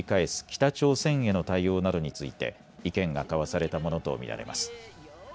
北朝鮮への対応などについて意見が交わされたものと見られます。